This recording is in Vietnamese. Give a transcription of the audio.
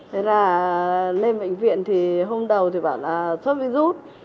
thế là lên bệnh viện thì hôm đầu thì bảo là sốt virus